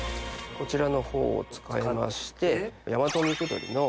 こちらの方を使いまして。